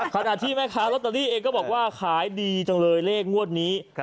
ขณะที่แม่ค้าลอตเตอรี่เองก็บอกว่าขายดีจังเลยเลขงวดนี้